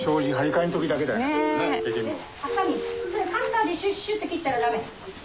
カッターでシュッシュッって切ったら駄目。